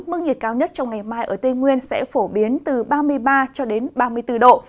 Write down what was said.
mức nhiệt cao nhất trong ngày mai ở tây nguyên sẽ phổ biến từ ba mươi ba cho đến ba mươi bốn độ